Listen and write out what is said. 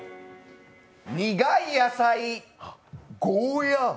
苦い野菜、ゴーヤー。